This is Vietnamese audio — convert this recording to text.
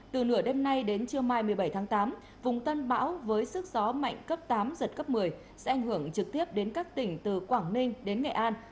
từ nửa đêm nay đến trưa mai một mươi bảy tháng tám vùng tân bão với sức gió mạnh cấp tám giật cấp một mươi sẽ ảnh hưởng trực tiếp đến các tỉnh từ quảng ninh đến nghệ an